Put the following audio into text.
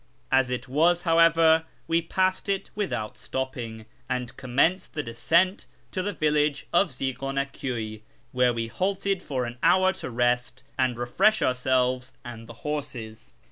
As it was, however, we passed it without stopping, and commenced the descent to the village of Zighana Kyiiy, where we halted for an hour to rest and refresh ourselves and the horses.